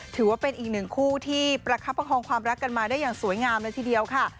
ถือว่าเป็นอีกหนึ่งคู่ที่ประคับประคองความรักกันมาได้อย่างสวยงามเลยทีเดียวค่ะ